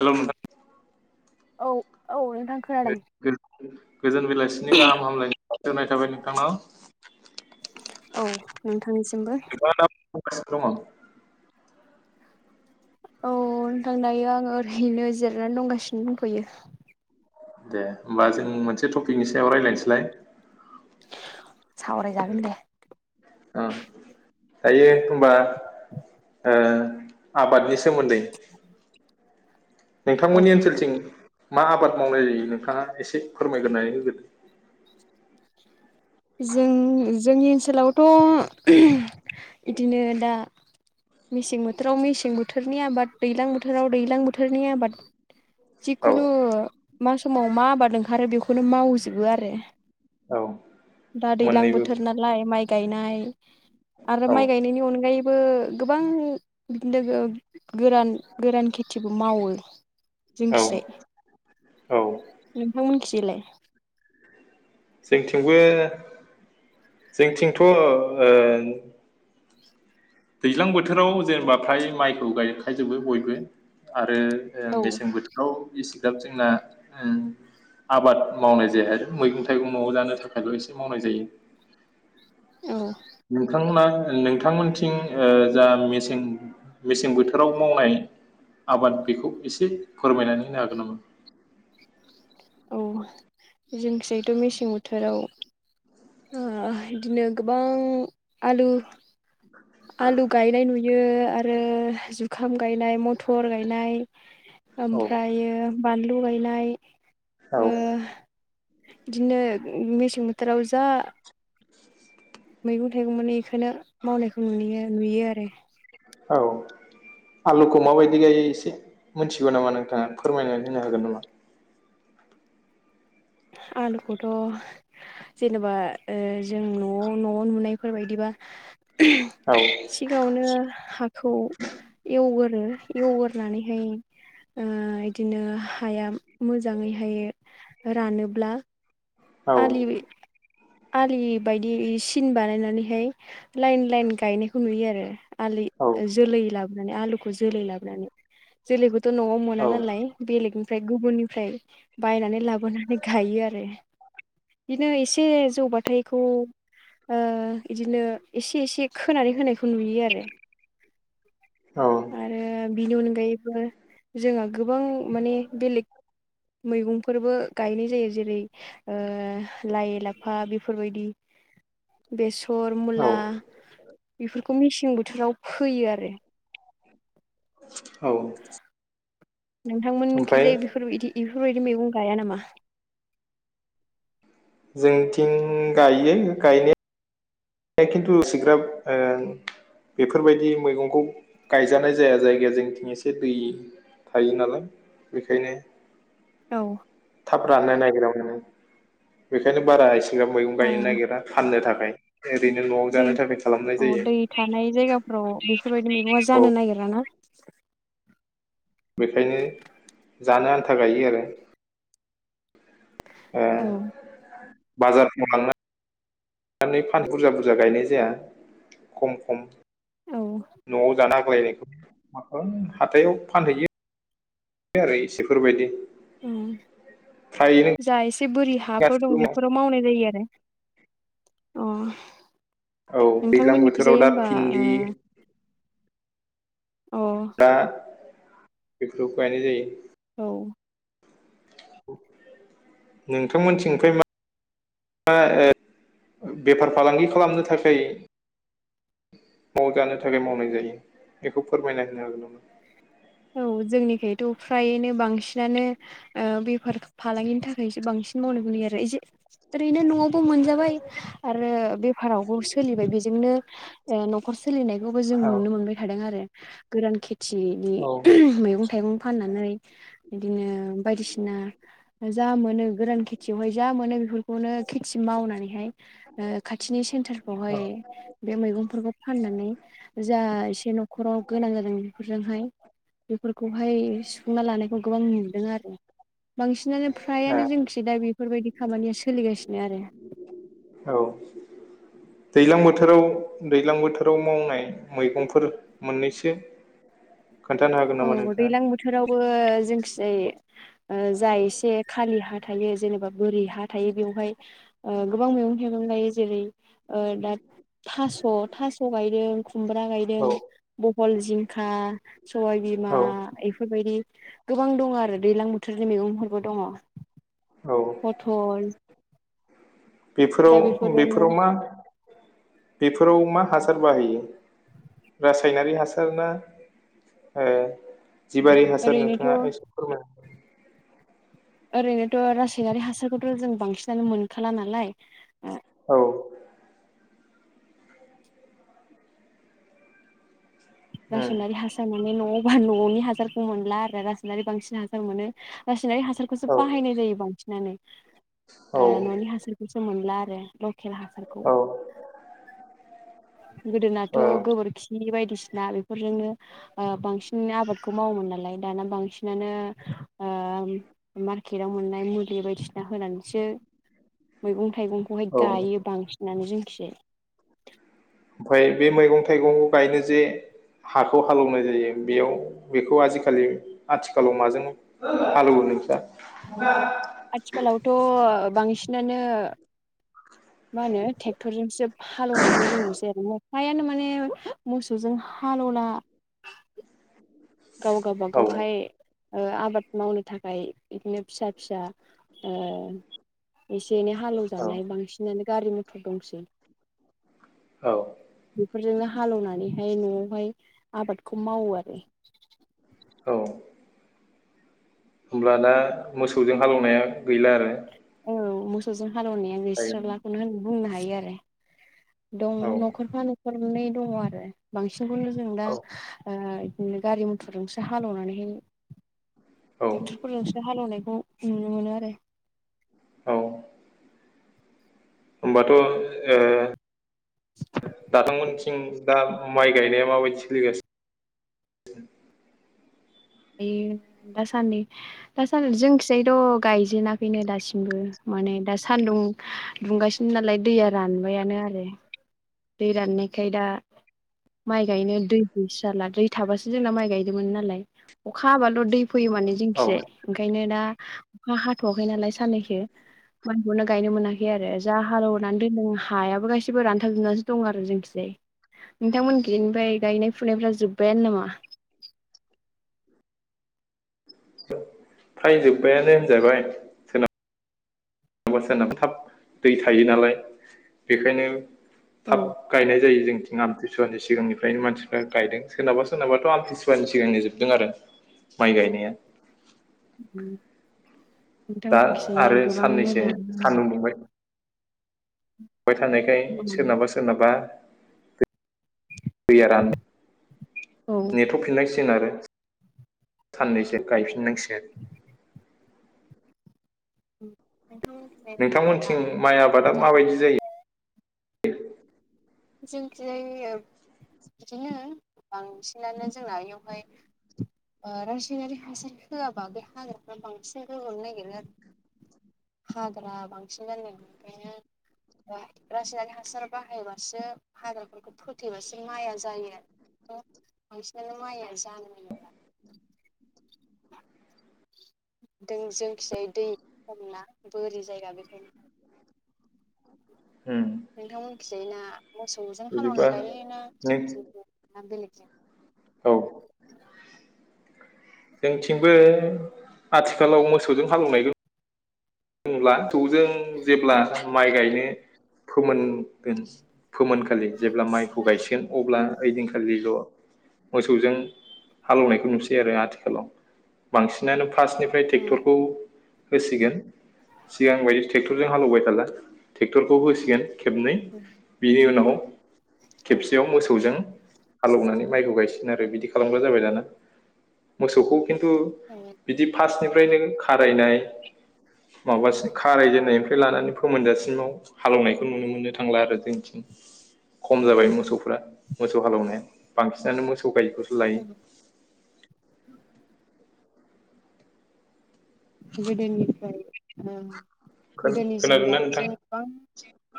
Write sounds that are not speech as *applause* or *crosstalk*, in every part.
हेल' नोंथां औ औ नोंथां खोनादों गोजोन गोजोन बेलासिनि गाहाम हामलायनाय होनाय थाबाय नोंथांनाव। औ नोंथांनिसिमबो नोंथाङा *unintelligible* औ नोंथां दायो आं ओरैनो जिरनानै दंगासिनो दंथयो दे होमबा जों मोनसे टपिकनि सायाव रायज्लायनोसैलाय। सावराय जागोन दे अ दायो होनबा ओ आबादनि सोमोन्दै औ। नोंथांमोननि ओनसोलथिं मा आबाद मावनाय जायो नोंथाङा एसे फोरमायगोरनानै होग्रोदो जों जोंनि ओनसोलावथ' ओ-होम इदिनो दा मेसें बोथोराव मेसें बोथोरनि आबाद दैलां बोथोराव दैलां बोथोरनि आबाद औ जिखुनु मा समाव मा आबाद ओंखारो बेखौनो मावजोबो आरो औ दा दैलां मोननैबो बोथोर नालाय माइ गायनाय आरो औ माइ गायनायनि अनगायै बो गोबां *unintelligible* गोरान गोरान खेथिबो मावो औ जोंखिजाय नोंथांमोनखिजायलाय जोंनिथिंबो जोंथिंथ' ओ दैज्लां बोथोराव जेनेबा फ्राय माइखौ गायखाजोबो बयबो आ रो ओ औ मेसें बोथोराव एसेग्राब जोंना ओ आबाद मावनाय जाया आरो मैगं थाइगं न'आव जानो थाखायल' एसे मावनाय जायो औ नोंथांमोना नोंथांमोनथिं ओ जा मेसें मेसें बोथोराव मावनाय आबाद बेखौ एसे फोरमायनानै होनो हागोन नामा औ जोंनिखिजायथ' मेसें बोथोराव ओ बिदिनो गोबां आलु आलु गायनाय नुयो आरो जुखाम गायनाय मथर गायनाय औ ओमफ्रायो बानलु गायनाय औ ओ बिदिनो मेसें बोथोराव जा मैगं-थाइगं मोनो इखौनो मावनायखौ नुयो नुयो आरो *unintelligible* आलुखौ माबायदि गायो एसे मिथिगौ नामा नोंथाङा फोरमायनानै होनो हागोन नामा आलुखौथ' जेनेबा जों ओ न'आव न'आव नुनायफोर बायदिबा औ *unintelligible* सिगाङावनो हाखौ एवगोरो एवगोरनानैहाय ओ इदिनो हाया मोजाङैहाय रानोब्ला आलि आलि बायदि सिन बानायनानैहाय लाइन लाइन गायनायखौ नुयो आरो आलि औ जोलै लाबोनानै आलुखौ जोलै लाबोनानै जोलैखौथ' न'आव मोना नालाय बेलेगनि फ्राय गुबुननिफ्राय बायनानै लाबोनानै गायो आरो बिनो एसे जौबाथाय इखौ ओ इदिनो इसे इसे खोनानै होनायखौ नुयो आरो औ आरो बिनि अनगायैबो जोंहा गोबां माने बेलेग मैगंफोरबो गायनाय जायो जेरै ओ लाइ लाफा बेफोरबायदि बेसर मुला औ बिफोरखौ मेसें बोथोराव फोयो आरो औ ओमफ्राय नोंथांमोननिखिजाय बेफोरबायदि इफोरबायदि मैगं गाया नामा जोंथिं गायो गायना खिनथु एसेग्राब ओ बेफोरबायदि मैगंखौ गायजानाय जाया जायगाया जोंथिं एसे दै थायो नालाय बेखायनो औ थाब राननो नागिरा माने बेखायनो बारा एसेग्राब मैगं गायनो औ नागिरा फाननो थाखाय ओरैनो न'आव दै जानो थाखाय खालामनाय औ जायो दै थानाय जायगाफोराव बेफोरबायदि मैगंआ औ जानो नागिरा ना? बेखायनो जानो आन्था गायो आरो। ओ औ बाजारफ्रा लांनानै फाननो बुरजा-बुरजा गायनाय जाया खम-खम औ न'आव जाना आग्लायनायखौ हाथायाव फानहैयो। बे आरो इसेफोरबायदि औ जा एसे बोरि हाफोर दं गासिबो माव बेफोराव मावनाय जायो आरो। अ औ दैज्लां बोथोराव नोंथांमोननिखिजाय दा होमबा भिन्दि ओ अ बेफोरावबो गायनाय जायो। अ औ नोंथांमोनथिं ओमफाय मा मा ओ बेफार फालांगि खालामनो थाखाय नवाव जानो थाखाय मावनाय जायो बेखौ फोरमायना होनो हागोन नामा? औ जोंनिखोयथ' फ्रायनो बांसिनानो ओ बे फार *unintelligible* फालांगिनि थाखायसो बांसिन मावनो लैयो आरो ओरैनो न'आवबो मोनजाबाय आरो बेफारावबो सोलिबाय बेजोंनो ओ नख'र सोलि नायखौबो जों नुनो मोनबाय थादों आरो गोरान खिथि नि औ ओम मैगं थाइगं फाननानै *inaudible* बिदिनो बायदिसिना जा मोनो गोरान खेथियावहाय जा मोनो बेफोरखौनो खेथि मावनानैहाय ओ खाथिनि औ सेन्टारफ्रावहाय बे मैगंफोरखौ फाननानै जा एसे नख'राव गोनां जादों बिफोरजोंहाय बिफोरखौहाय सुफुंना लानायखौ गोबां नुबोदों आरो। बांसिनानो औ फ्रायानो जोंखि दा बिफोरबायदि खामानिया सोलिगासिनो आरो औ। दैलां बोथोराव दैज्लां बोथोराव मावनाय मैगंफोर मोननैसो *inaudible* हागोन औ नामा नोंथाङा? दैलां बोथोरावबो जोंखिजाय ओ जा एसे खालि हा थायो जेनेबा बोरि हा थायो बेवहाय ओ गोबां मैगं थाइगं गायो जेरै ओ दा थास' थास' गायदों खुमब्रा गायदों औ बहल जिंखा सबाइ बिमा औ इफोरबायदि गोबां दङ' आरो दैलां बोथोरनि मैगंफोरबो दङ'। औ पथल दा बेफोराव बेफोरो बेफोराव न' मा बेफोराव मा? हासार बाहायो रासायनारि हासार ना ओ जिबारि हासार नोंथाङा ओरैनोथ' एसे फोरमाय? ओरैनोथ' रासायनारि हासारखौथ' जों बांसिनानो मोनखाला नालाय ओ औ उम रासायनारि हासार माने न'आव न'नि हासारखौ मोनला आरो रासायनारि बांसिन हासार मोनो जासायनारि हासारखौसो औ बाहायनाय जायो बांसिनानो औ ओ न'नि हासारखौसो मोन ला आरो लकेल हासारखौ औ गोदोनाथ' औ गोबोरखि बायदिसिना बेफोरजोंनो ओ बांसिन आबाद खौ मावोमोन नालाय दाना बांसिनानो ओ मार्केतआव मोननाय मुलि बायदिसिना होनानैसो मैगं थाइगंखौहाय ओमफ्राय गायो बांसिनानो जोंखिजाय ओमफ्राय बे मैगं थाइगं गायनो जे हाखौ हालेवनाय जायो बेयाव बेखौ आजिखालि आथिखालाव माजों हालेवो स *unintelligible* आथिखालावथ' बांसिनानो मा होनो ट्रेक्टरजों जोब हालौनायखौ जों नुसै आरो ना हायानो माने मोसौजों हालौला गावगा औ बागावहाय ओ आबाद मावनो थाखाय इदिनो फिसा-फिसा ओ एसे एनै औ हालौवजानाय बांसिनानो गारि मटर दंसै। औ। बेफोरजोंनो हालौवनानैहाय न'आवहाय आबादखौ मावो आरो। औ होमब्ला दा मोसौजों हालौनाया गैला आरो औ मोसौजों हालोवनाया दायो नुस्रालाखौनो होन बुंनो हायो आरो दं औ न'खरफा न'खरनै दङ आरो बांसिनखौनो जों दा ओ नो गारि मथरजोंसो हालोवनानैहै औ ट्रेक्टरफोरजोंसो हालोवनाय औ नुनो मोनो आरो औ होमबाथ' ओ दाथंमोनथिं दा माइ गायनाया माबायदि सोलिगा सिन बेयो दासान्दै दासान्दै जोंखिसायथ' गायजेनाखैनो दासिमबो। माने दा सान्दुं दुंगासिनो नालाय दैया रानबायानो आरो दै राननायखाय दा माइ गायनो दै गैस्राला। दै थाबासो जोंना माइ गायदोंमोन नालाय। अखा हाबाल' दै फैयो माने औ जोंनिखैजाय ओंखायनो दा अखा हाथ'आखै नालाय साननैसो माइखौनो गायनो मोनाखै आरो जा हालेवनानै दोनदों हायाबो गासिबो रानथाब जोबनानैसो दं आरो जोंनिखैजाय। नोंथांमोन खिजाय गायनाय फुनायफ्रा जोब्बायानो नामा? *inaudible* फ्राय जोब्बायानो होनजाबाय सोनाब *unintelligible* थाब दै थायो नालाय बेखायनो औ थाब गायनाय जायो जोंथिं आमथि सुवानि सिगांनिफ्रायनो मानसिफ्रा गायदों सोरनाबा सोरनाबाथ' आमतिसुवानि सिगांनो जोबदों आरो। माइ गायनाया उम दा नोंथांमोनखि जायनो आरो गोबां साननैसो मोजां सान्दुं फाय थानायखाय औ सोरनाबा सोरनाबा दैया रानो नोंथांमोनथिं नेथ'फिननायसिगोन आरो। साननैसो गायफिन नांसिगोन। *unintelligible* नोंथांमोनथिं माइ आबादा जानाय माबायदि जायो? जोंनिखिजाय ओ बिदिनो बांसिनानो जोंना बेयावहाय ओ रासायनारि हासार होआबा बे हाग्राफ्रा बांसिन रज'नो नागिरो आरो हाग्रा बांसिन जानायखायनो जों रासायनारिक हासार बाहायबा सो हाग्राफोरखौ फोथैबासो माइया जायो आरो। *unintelligible* बांसिनानो माया जानो नागिरला। *inaudible* *unintelligible* बोरि जायगा बेखायनो उम नोंथांमोनखिजायना मोसौजों हालेवना बिदिबा गायोना नों ना बेलेग *unintelligible* औ जोंथिंबो आथिखालाव मोसौजों हालौनाय ओमब्ला थुजों जेब्ला माइ गायनो फोमोनगोन फोमोनखालि जेब्ला माइखौ गायसेन अब्ला ओइदिनखालिल' मोसौजों हालौनायखौ नुसै आरो आथिखालाव बांसिनानो फास्टनिफ्राय उम टेक्टरखौ होसिगोन सिगां बायदि टेक्टरजों हालौबाय थागोन टेक्टरखौ होसिगोन खेबनै उम बिनि उनहव औ खेबसेयाव मोसौजों हालौनानै माइखौ गायसिन आरो बिदि खालामग्रा जाबाय दाना मोसौखौ किन्टु औ बिदि फार्स्टनिफ्राय नों खारायनाय माबासिम खारायजेननायनिफ्राय लानानै फोमोनजासिमाव हालौनायखौ नुनो मोननो थांला आरो जोंथिं खम औ जाबाय मोसौफोरा मोसौ हालौनाया बांसिनानो मोस *unintelligible* औ गोदोनिफ्राय उम गोदोनिजों खोनादोंना दानिजों नोंथां गोबां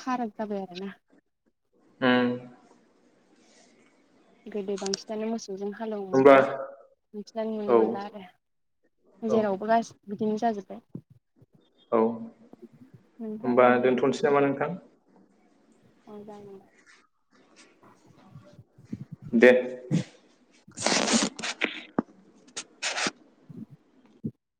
फाराग जाबाय आरोना उम। गोदो बांसिनानो मोसौ जों हालौवोमोन होमबा दा मिथिनानै नुनो औ मोनला आरो औ जेरावबो गासिबो बिदिनो जाजोबबाय औ होमबा दोनथ'नोसै नामा नोंथां? औ जागोनदे। दे